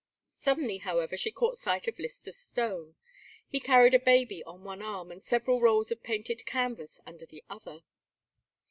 Suddenly, however, she caught sight of Lyster Stone. He carried a baby on one arm and several rolls of painted canvas under the other.